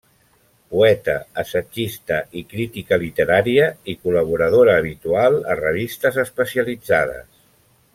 Poeta, assagista i crítica literària i col·laboradora habitual a revistes especialitzades.